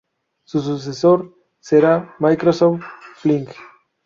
Su sucesor será Microsoft Flight.